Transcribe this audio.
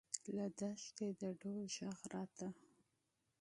له دښتې د ډول غږ راته.